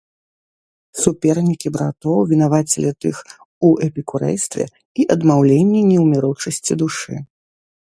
Супернікі братоў вінавацілі тых у эпікурэйстве і адмаўленні неўміручасці душы.